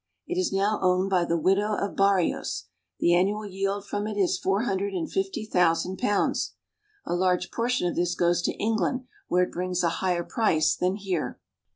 It is now owned by the widow of Barrios. The annual yield from it is four hundred and fifty thousand pounds. A large proportion of this goes to England, where it brings a higher price than here.